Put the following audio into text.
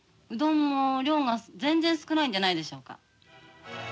うどんも量が全然少ないんじゃないでしょうか。